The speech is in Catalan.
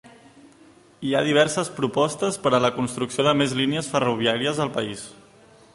Hi ha diverses propostes per a la construcció de més línies ferroviàries al país.